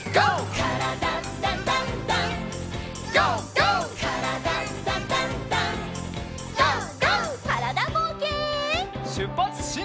からだぼうけん。